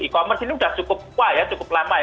e commerce ini udah cukup lama ya